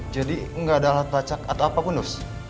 jadi gak ada alat pelacak atau apapun bos